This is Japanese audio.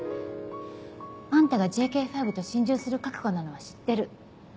あんたがＪＫ５と心中する覚悟なのは知ってる。